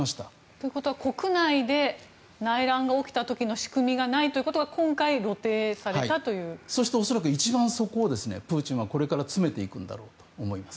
ということは国内で内乱が起きた時の仕組みがないということがそして恐らく、一番そこをプーチンはこれから詰めていくんだろうと思います。